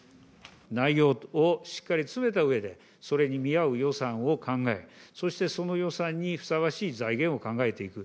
内容をしっかり詰めたうえでそれに見合う予算を考えそして、その予算にふさわしい財源を考えていく。